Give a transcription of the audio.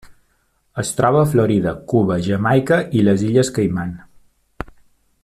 Es troba a Florida, Cuba, Jamaica i les Illes Caiman.